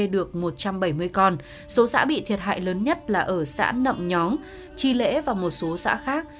được một trăm bảy mươi con số xã bị thiệt hại lớn nhất là ở xã nậm nhóng chi lễ và một số xã khác